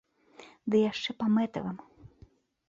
Ды яшчэ па мэтавым.